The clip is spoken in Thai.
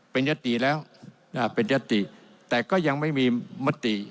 เป็นยติแล้วเป็นยติแต่ก็ยังไม่มีมติ